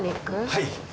はい！